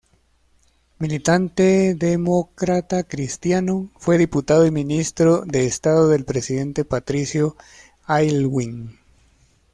Militante democratacristiano, fue diputado y ministro de Estado del presidente Patricio Aylwin.